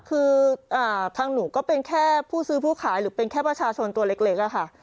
คือทางหนูก็เป็นแค่ผู้ซื้อผู้ขายหรือเป็นแค่ประชาชนตัวเล็กอะค่ะ